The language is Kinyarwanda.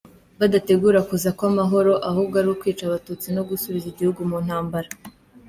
Badategura kuza kw’amahoro, ahubwo ari ukwica Abatutsi no gusubiza igihugu mu ntambara.